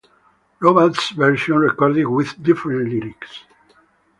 Robas' version recorded with different lyrics.